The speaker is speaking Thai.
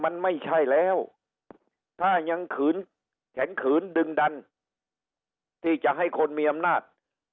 มันไม่ใช่แล้วถ้ายังขืนแข็งขืนดึงดันที่จะให้คนมีอำนาจ